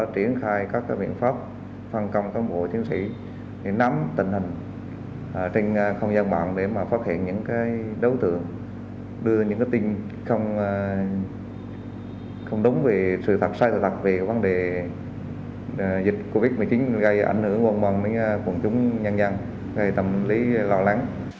triển khai các biện pháp phân công các vụ thiếu sĩ nắm tình hình trên không gian mạng để phát hiện những đấu tượng đưa những tin không đúng về sự thật sai thật thật về vấn đề dịch covid một mươi chín gây ảnh hưởng ngôn mộng với quần chúng nhân dân gây tâm lý lo lắng